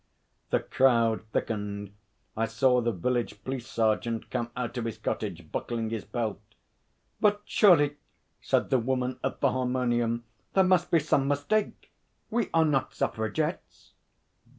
The crowd thickened. I saw the village police sergeant come out of his cottage buckling his belt. 'But surely,' said the woman at the harmonium, 'there must be some mistake. We are not suffragettes.'